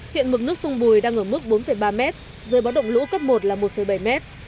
hiện mực nước sông bùi đang ở mức bốn ba m dưới báo động lũ cấp một là một bảy m